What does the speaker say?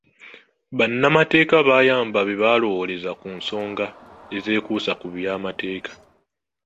Bannamateeka bayamba be bawolereza ku nsonga ez'ekuusa ku by'amateeka.